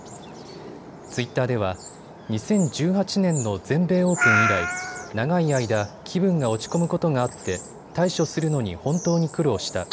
ツイッターでは２０１８年の全米オープン以来、長い間、気分が落ち込むことがあって対処するのに本当に苦労した。